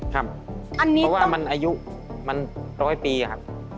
เพราะว่ามันอายุมัน๑๐๐ปีครับ